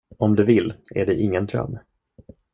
Om du vill, är det ingen dröm.